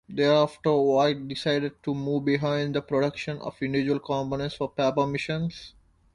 Thereafter, Voith decided to move beyond the production of individual components for paper machines.